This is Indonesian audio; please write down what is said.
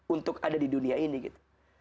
untuk ada di dunia ini gitu